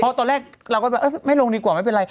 เพราะตอนแรกเราก็แบบไม่ลงดีกว่าไม่เป็นไร